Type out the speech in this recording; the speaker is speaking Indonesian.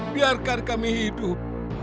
biarkan kami hidup